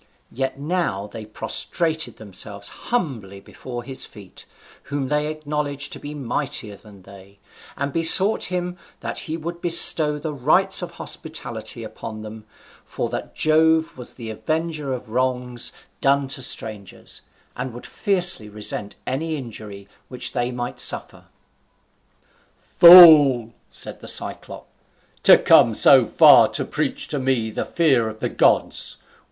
Yet now they prostrated themselves humbly before his feet, whom they acknowledged to be mightier than they, and besought him that he would bestow the rites of hospitality upon them, for that Jove was the avenger of wrongs done to strangers, and would fiercely resent any injury which they might suffer. "Fool!" said the Cyclop, "to come so far to preach to me the fear of the gods.